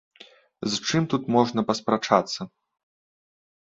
З чым тут можна паспрачацца?